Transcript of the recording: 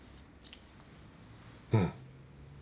うん。